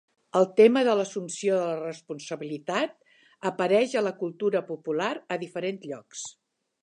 El tema de l'assumpció de la responsabilitat apareix a la cultura popular, a diferents llocs.